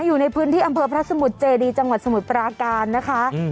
อยู่ในพื้นที่อำเภอพระสมุทรเจดีจังหวัดสมุทรปราการนะคะ